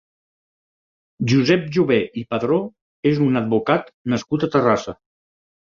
Josep Jover i Padró és un advocat nascut a Terrassa.